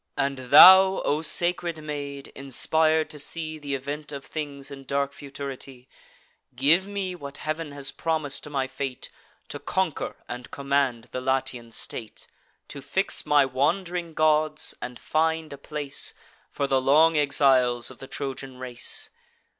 And thou, O sacred maid, inspir'd to see Th' event of things in dark futurity; Give me what Heav'n has promis'd to my fate, To conquer and command the Latian state; To fix my wand'ring gods, and find a place For the long exiles of the Trojan race.